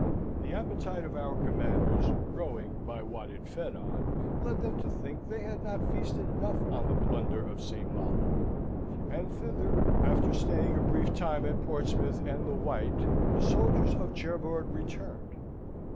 The appetite of our commanders, growing by what it fed on, led them to think they had not feasted enough on the plunder of St. Malo; and thither, after staying a brief time at Portsmouth and the Wight, the conquerors of Cherbourg returned.